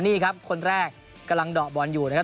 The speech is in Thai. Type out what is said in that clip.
นี่ครับคนแรกกำลังโดะบอนนะครับ